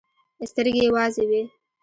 سترګې يې وازې وې.